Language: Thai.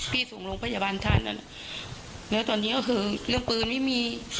พี่สูงลงพยาบาลท่านแล้วตอนนี้ก็คือเรื่องปืนไม่มี